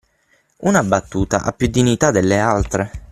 Una battuta ha più dignità delle altre?